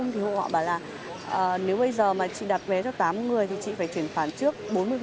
thì họ bảo là nếu bây giờ mà chị đặt vé cho tám người thì chị phải chuyển khoản trước bốn mươi